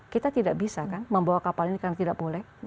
kita tidak bisa kan membawa kapal ini karena tidak boleh